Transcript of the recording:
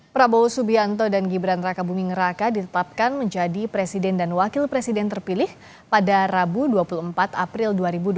prabowo subianto dan gibran raka buming raka ditetapkan menjadi presiden dan wakil presiden terpilih pada rabu dua puluh empat april dua ribu dua puluh